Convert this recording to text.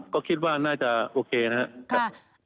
ก็คิดว่าน่าจะโอเคนะครับ